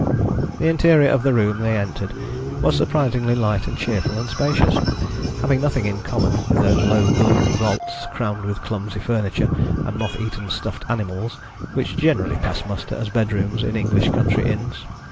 The interior of the room they entered was surprisingly light and cheerful and spacious, having nothing in common with those low gloomy vaults, crammed with clumsy furniture and moth eaten stuffed animals, which generally pass muster as bedrooms in English country inns.